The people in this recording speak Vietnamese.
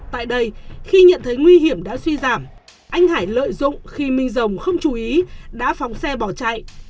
tại đây khi nhận thấy nguy hiểm đã suy giảm anh hải lợi dụng khi minh rồng không chú ý đã phóng xe bỏ chạy